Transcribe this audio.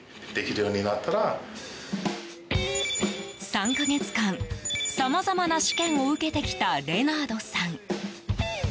３か月間、さまざまな試験を受けてきたレナードさん。